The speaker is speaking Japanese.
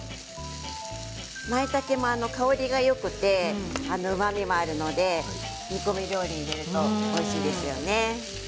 まいたけは香りもうまみもあるので煮込みに入れるとおいしいですね。